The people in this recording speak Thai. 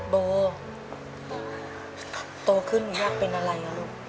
เบาโตขึ้นอยากเป็นอะไรนะลูก